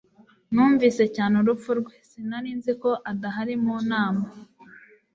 Numvise cyane urupfu rwe. Sinari nzi ko adahari mu nama.